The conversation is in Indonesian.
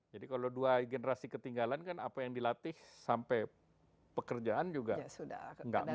jadi kalau dua generasi ketinggalan kan apa yang dilatih sampai pekerjaan juga tidak matching